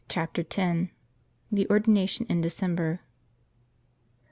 reflated THE ORDINATION IN DECEMBER.